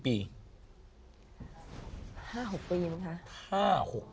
๕๖ปีนะคะ